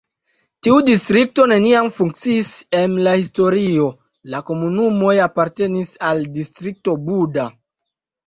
Tiu distrikto neniam funkciis em la historio, la komunumoj apartenis al Distrikto Buda.